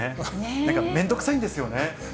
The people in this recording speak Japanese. なんか面倒くさいんですよね。